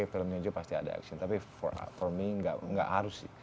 filmnya juga pasti ada action tapi for me nggak harus sih